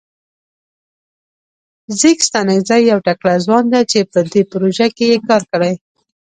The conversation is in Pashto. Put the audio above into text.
ځیګ ستانکزی یو تکړه ځوان ده چه په دې پروژه کې یې کار کړی.